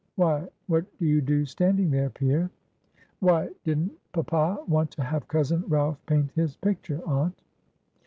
Why, what do you do standing there, Pierre?" "Why didn't papa want to have cousin Ralph paint his picture, aunt?"